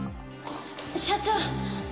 社長！